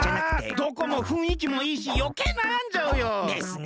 どこもふんいきもいいしよけいなやんじゃうよ。ですね。